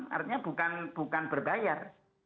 artinya bukan berbayar